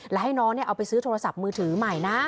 และให้น้องเอาไปซื้อโทรศัพท์มือถือใหม่นะ